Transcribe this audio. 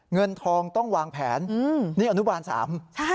เงินทองต้องวางแผนนี่อนุบาลสามใช่